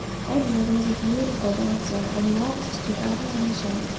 Edward was a beautiful dancer, and waltzed to admiration.